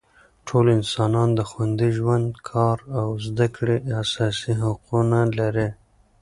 ټول انسانان د خوندي ژوند، کار او زده کړې اساسي حقونه لري.